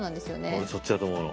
俺そっちだと思うの。